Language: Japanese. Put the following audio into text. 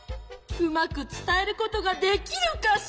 うまくつたえることができるかしら？